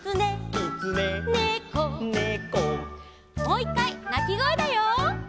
もう１かいなきごえだよ！